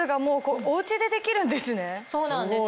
そうなんです。